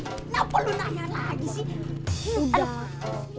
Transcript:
kenapa lu nanya lagi sih